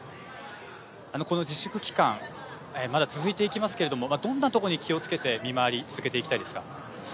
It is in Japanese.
この自粛期間まだ続いていきますがどんなところに気をつけて見回りを続けていきたいですか？